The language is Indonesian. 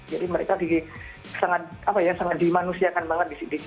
jadi mereka sangat dimanusiakan banget di sini